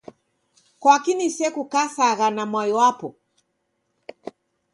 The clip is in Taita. Kwaki nisekukasagha na mwai wapo?